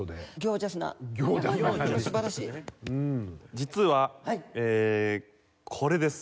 実はこれです。